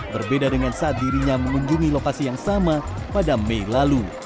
berbeda dengan saat dirinya mengunjungi lokasi yang sama pada mei lalu